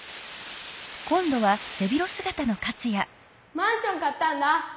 マンション買ったんだ。